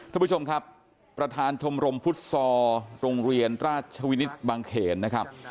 ทุกผู้ชมครับประธานทมรมฟุตซอร์โรงเรียนราชวินิตบางเขนนะครับ